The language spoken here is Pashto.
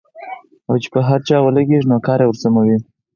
او چې پر هر چا ولګېږي نو کار يې ورسموي.